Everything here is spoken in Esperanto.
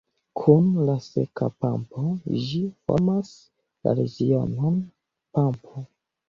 Kun la Seka Pampo ĝi formas la regionon Pampo.